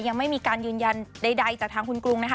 ยังไม่มีการยืนยันใดจากทางคุณกรุงนะคะ